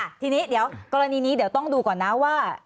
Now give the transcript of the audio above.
ทีนี้เดี๋ยวกรณีนี้เดี๋ยวต้องดูก่อนนะว่า